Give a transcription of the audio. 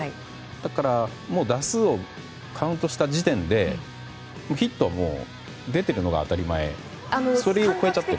だから、打数をカウントした時点でヒットは出ているのが当たり前。